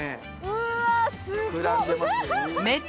うわすごっ！